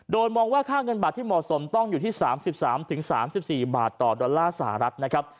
โดยมองว่าค่าเงินบาทที่เหมาะสมต้องอยู่ที่๓๓๔บาทต่อดอลลาร์สหรัฐนะครับ